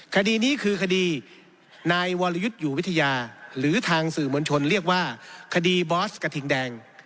คดีนี้คือคดีนายวรยุทธ์อยู่วิทยาหรือทางสื่อมวลชนเรียกว่าคดีบอสกระทิงแดง